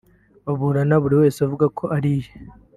baburana buri wese avuga ko ari iye